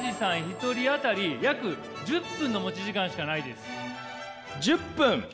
一人当たり約１０分の持ち時間しかないです。